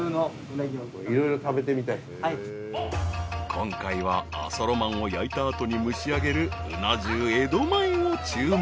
［今回は阿蘇夢鰻を焼いた後に蒸し上げるうな重江戸前を注文］